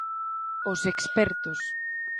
Os expertos.